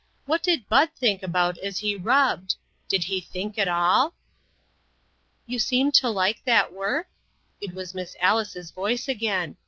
What did Bud think about as he rubbed? Did he think at all? "You seem to like that work?" It was Miss Alice's voice again.